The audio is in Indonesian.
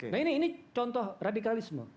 nah ini contoh radikalisme